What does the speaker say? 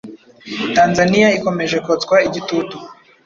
Tanzaniya ikomeje kotswa igitutu